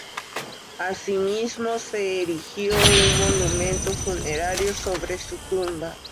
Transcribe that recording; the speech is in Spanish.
Asimismo se erigió un monumento funerario sobre su tumba.